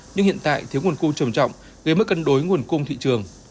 nhưng hiện tại thiếu nguồn cung trầm trọng gây mất cân đối nguồn cung thị trường